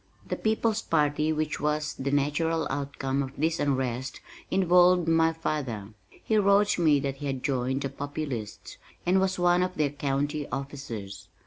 The People's Party which was the natural outcome of this unrest involved my father. He wrote me that he had joined "the Populists," and was one of their County officers.